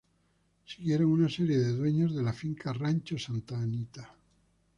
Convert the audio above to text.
Siguieron una serie de dueños de la finca, "Rancho Santa Anita".